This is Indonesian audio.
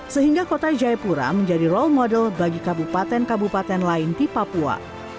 sehingga kota jayapura menjadi role model bagi kabupaten kabupaten lain di papua